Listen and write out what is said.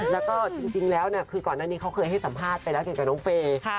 แล้วก็จริงแล้วคือก่อนหน้านี้เขาเคยให้สัมภาษณ์ไปแล้วเกี่ยวกับน้องเฟย์